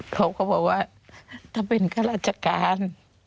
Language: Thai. เขาก็บอกว่าถ้าเป็นข้าราชการ